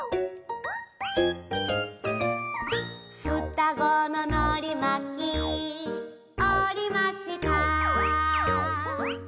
「双子ののりまきおりました」